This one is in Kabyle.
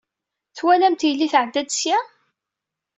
Twalamt yelli tɛedda-d sya?